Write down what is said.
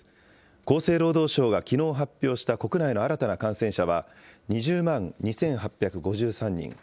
厚生労働省がきのう発表した国内の新たな感染者は２０万２８５３人。